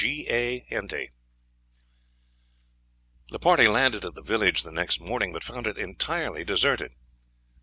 CHAPTER IX. The party landed at the village the next morning, but found it entirely deserted.